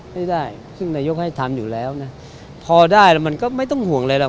ไม่ได้ซึ่งนายกให้ทำอยู่แล้วนะพอได้แล้วมันก็ไม่ต้องห่วงอะไรหรอก